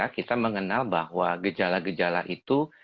kita mengenal bahwa gejala gejala itu